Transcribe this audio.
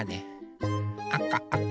あかあか。